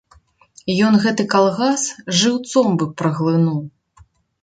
Ён гэты калгас жыўцом бы праглынуў.